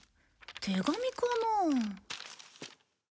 手紙かなあ？